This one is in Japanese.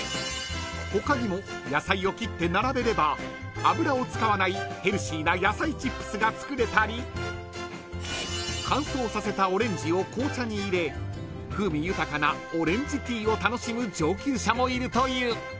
［他にも野菜を切って並べれば油を使わないヘルシーな野菜チップスが作れたり乾燥させたオレンジを紅茶に入れ風味豊かなオレンジティーを楽しむ上級者もいるという］